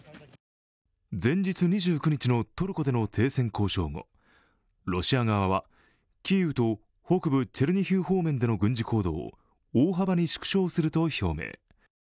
前日２９日のトルコでの停戦交渉後、ロシア側はキーウと北部チェルニヒフ方面での軍事行動を大幅に縮小すると表明。